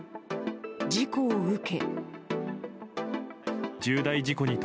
事故を受け。